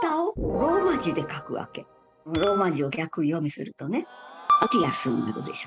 ローマ字を逆読みするとね「あてぃあす」になるでしょ。